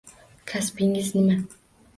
Kasbingiz nima?